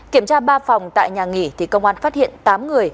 kiểm tra ba phòng tại nhà nghỉ thì công an phát hiện tám người